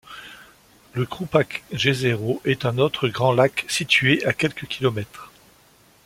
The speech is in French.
Le Krupac jezero est un autre grand lac situé a quelques kilomètres.